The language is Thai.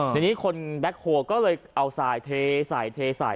ในนี้คนแบ็คโฮล์ก็เลยเอาสายเทสายเทสาย